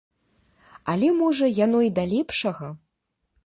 Але, можа, яно і да лепшага.